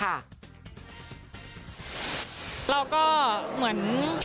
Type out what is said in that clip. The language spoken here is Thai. เราก็เหมือน